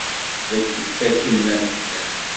Beddet akken ma tellam.